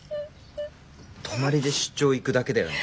泊まりで出張行くだけだよね。